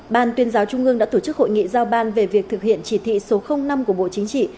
ban tuyên giáo trung ương đã tổ chức hội nghị giao ban về việc thực hiện chỉ thị số năm của bộ chính trị